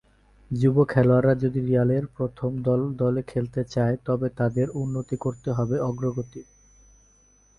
যুব খেলোয়াড়রা যদি রিয়ালের প্রথম দল দলে খেলতে চায় তবে তাদের উন্নতি করতে হবে অগ্রগতি।